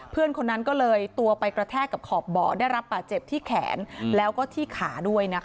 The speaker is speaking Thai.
เพื่อนคนนั้นก็เลยตัวไปกระแทกกับขอบเบาะได้รับบาดเจ็บที่แขนแล้วก็ที่ขาด้วยนะคะ